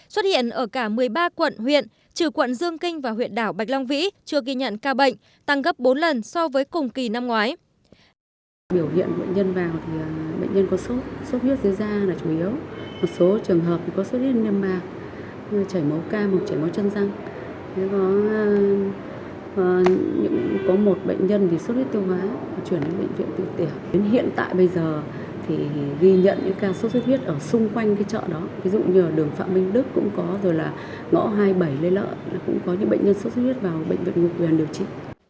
xuất hiện ở cả một mươi ba quận huyện trừ quận dương kinh và huyện đảo bạch long vĩ chưa ghi nhận ca bệnh tăng gấp bốn lần so với cùng kỳ năm ngoái